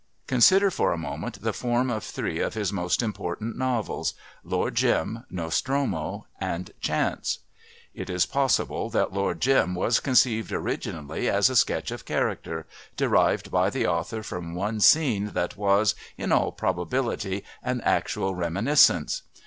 Consider for a moment the form of three of his most important novels: Lord Jim, Nostromo and Chance. It is possible that Lord Jim was conceived originally as a sketch of character, derived by the author from one scene that was, in all probability, an actual reminiscence.